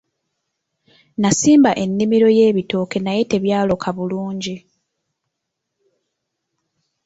Nasimba ennimiro y'ebitooke naye tebyaloka bulungi.